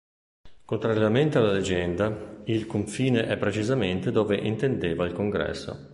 Contrariamente alla leggenda, il confine è precisamente dove intendeva il Congresso.